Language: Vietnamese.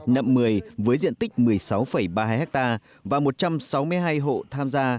nậm mười với diện tích một mươi sáu ba mươi hai ha và một trăm sáu mươi hai hộ tham gia